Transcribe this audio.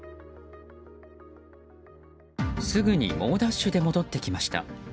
すぐに猛ダッシュで戻ってきました。